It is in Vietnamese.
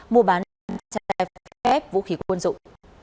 mua bán trái phép vũ khí quân dụng